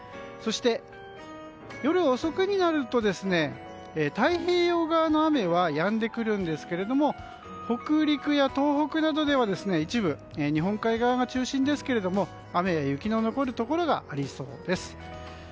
そして夜遅くになると太平洋側の雨はやんでくるんですけれども北陸や東北などでは一部、日本海側が中心ですが雨や雪の残るところがありそうです。